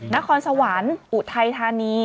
นครสวรรค์อุทัยธานี